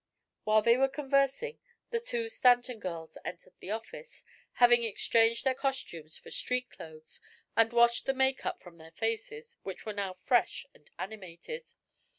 While they were conversing, the two Stanton girls entered the office, having exchanged their costumes for street clothes and washed the make up from their faces, which were now fresh and animated.